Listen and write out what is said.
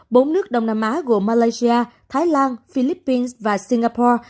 bốn nước đông nam á gồm malaysia thái lan philippines và singapore